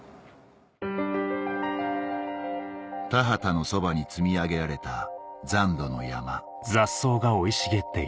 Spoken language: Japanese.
田畑のそばに積み上げられた残土の山